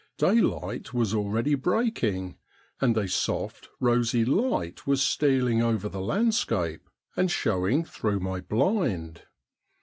Day light was already breaking, and a soft, rosy light was steal ing over the landscape, and showing through my blind.